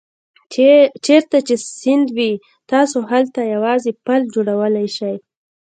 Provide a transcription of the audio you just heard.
چېرته چې سیند وي تاسو هلته یوازې پل جوړولای شئ.